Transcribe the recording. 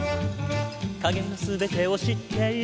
「影の全てを知っている」